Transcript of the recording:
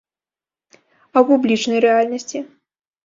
А ў публічнай рэальнасці?